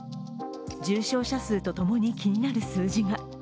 重症者数とともに気になる数字が。